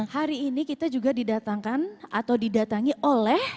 hari ini kita juga didatangkan atau didatangi oleh